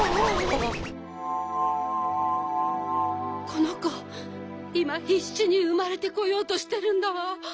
このこいまひっしにうまれてこようとしてるんだわ。